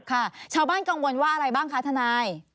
ค่ะชาวบ้านกังวลว่าอะไรบ้างคะทนาย